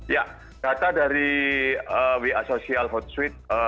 ya data dari we are social hot suite